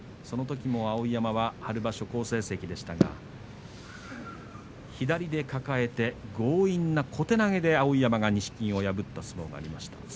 そのときも碧山は春場所好成績でしたが左で抱えて強引な小手投げで碧山が錦木を破った相撲になりました。